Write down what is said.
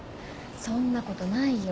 そんなことないよ。